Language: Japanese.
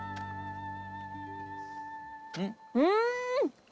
うん！